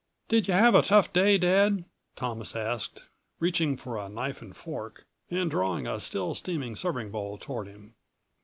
"Did you have a tough day, Dad?" Thomas asked, reaching for a knife and fork, and drawing a still steaming serving bowl toward him.